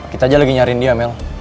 kita aja lagi nyari dia mel